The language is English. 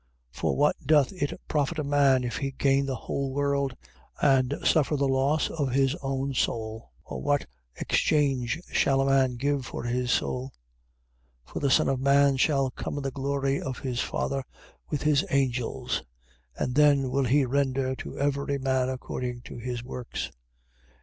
For what doth it profit a man, if he gain the whole world and suffer the loss of his own soul? Or what exchange shall a man give for his soul? 16:27. For the Son of man shall come in the glory of his Father with his angels: and then will he render to every man according to his works.